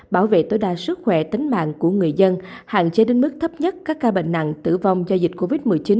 bảo vệ tối đa sức khỏe tính mạng của người dân hạn chế đến mức thấp nhất các ca bệnh nặng tử vong do dịch covid một mươi chín